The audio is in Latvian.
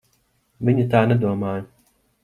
Viņa tā nedomāja.